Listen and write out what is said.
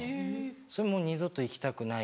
それもう二度と行きたくない。